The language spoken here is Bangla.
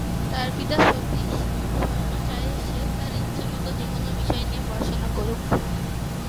তার পিতা সতীশ শর্মা চায় সে তার ইচ্ছে মত যেকোনো বিষয় নিয়ে পড়াশুনা করুক।